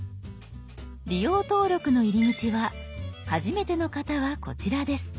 「利用登録」の入り口は「はじめての方はこちら」です。